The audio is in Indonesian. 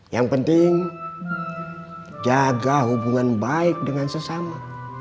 yang penting jaga hubungan baik dengan sesama